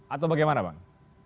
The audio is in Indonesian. atau bagaimana bang